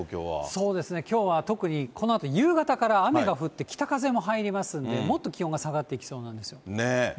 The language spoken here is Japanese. そうですね、きょうは特にこのあと夕方から雨が降って、北風も入りますんで、もっと気温が下がっていきそうなんですよ。ね。